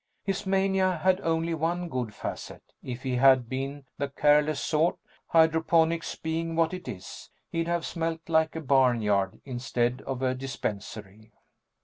His mania had only one good facet if he had been the careless sort, hydroponics being what it is, he'd have smelled like a barnyard instead of a dispensary.